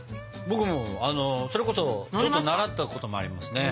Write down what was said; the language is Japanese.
僕もあのそれこそちょっと習ったこともありますね。